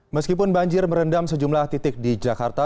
meskipun banjir merendam sejumlah titik di jakarta